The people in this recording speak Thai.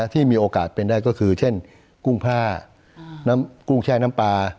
ที่มีโอกาสเป็นได้ก็คือเช่นกุ้งผ้าน้ำกุ้งแช่น้ำปลา